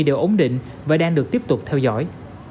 đều ổn định và đang được tiếp tục theo dõi